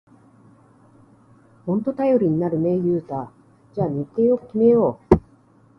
ほんと頼りになるね、ユウタ。じゃあ日程を決めよう！